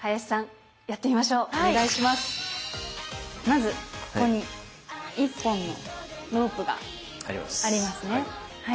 まずここに１本のロープがありますねはい。